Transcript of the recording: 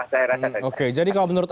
saya rasa itu oke jadi kalau menurut